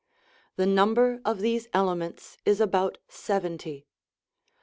The number of these elements is about seventy.